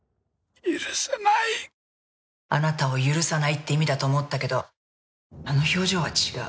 あなたを許さないって意味だと思ったけどあの表情は違う。